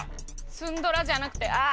ツンドラじゃなくて。